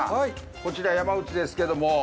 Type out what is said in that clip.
こちら山内ですけども。